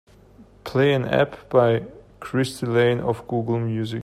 Play an ep by Cristy Lane off google music.